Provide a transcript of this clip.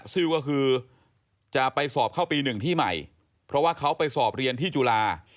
ซิลก็คือจะไปสอบเข้าปีหนึ่งที่ใหม่เพราะว่าเขาไปสอบเรียนที่จุฬา